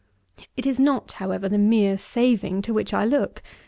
28. It is not, however, the mere saving to which I look.